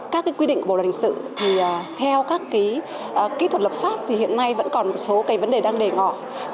các quy định của bộ luật hình sự theo các kỹ thuật lập pháp hiện nay vẫn còn một số vấn đề đang đề ngọ